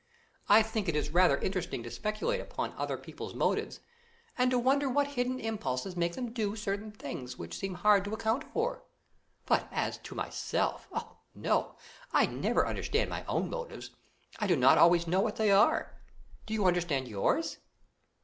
"I think it is rather interesting to speculate upon other people's motives and to wonder what hidden impulses make them do certain things which seem hard to account for; but as to myself oh, no, I never understand my own motives I do not always know what they are. Do you understand yours?"